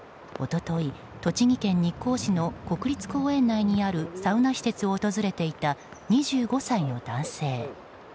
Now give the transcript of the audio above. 一昨日、栃木県日光市の国立公園内にあるサウナ施設を訪れていた２５歳の男性。